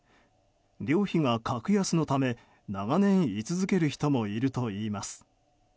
寮費が格安のため長年、居続ける人もいるといいます。